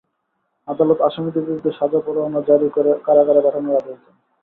আদালত আসামিদের বিরুদ্ধে সাজা পরোয়ানা জারি করে কারাগারে পাঠানোর আদেশ দেন।